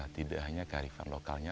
tidak hanya kearifan lokalnya